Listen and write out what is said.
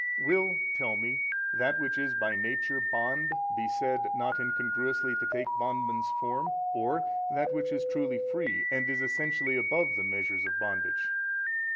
A. Will (tell me) that which is by nature bond be said not incongruously to take bondman's form, or that which is truly free and is Essentially above the measures of bondage?